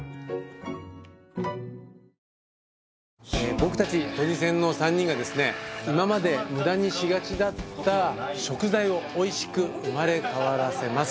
僕達トニセンの３人がですね今まで無駄にしがちだった食材をおいしく生まれ変わらせます